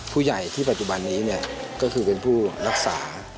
ผู้ใหญ่ที่ปัจจุบันนี้ก็คือเป็นผู้รักษา